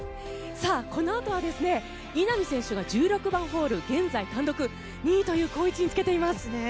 このあとは稲見選手が１６番ホール現在、単独２位という好位置につけています。